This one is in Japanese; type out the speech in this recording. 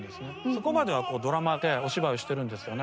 そこまではドラマでお芝居をしてるんですよね。